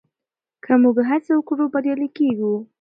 که موږ هڅه وکړو بریالي کېږو.